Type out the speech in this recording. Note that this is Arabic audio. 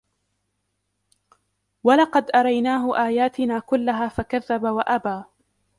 ولقد أريناه آياتنا كلها فكذب وأبى